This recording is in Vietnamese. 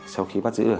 sau khi bắt giữ được